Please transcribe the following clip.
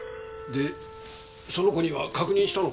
でその子には確認したのか？